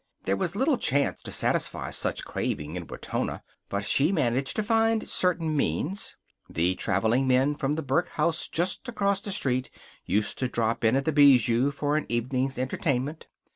There was little chance to satisfy such craving in Wetona, but she managed to find certain means. The traveling men from the Burke House just across the street used to drop in at the Bijou for an evening's entertainment.